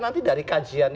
nanti dari kajian